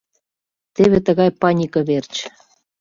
Теве тыгай панике верч...